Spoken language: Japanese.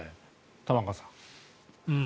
玉川さん。